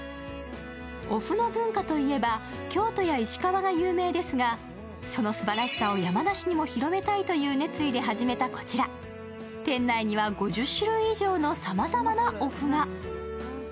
お麩の文化といえば京都や石川が有名ですが、そのすばらしさを山梨にも広めたいという熱意で始めたこちら、店内には５０種類以上のさまざまなお麩が。